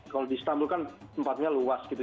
kalau di istanbul kan tempatnya luas gitu